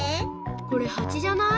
これハチじゃない？